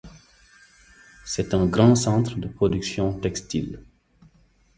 C'est un grand centre de productions textiles.